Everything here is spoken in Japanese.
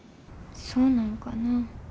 そうなんかなぁ。